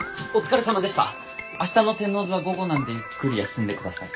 明日の天王洲は午後なんでゆっくり休んで下さい。